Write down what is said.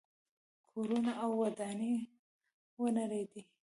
کورونه او ودانۍ ونړېدې.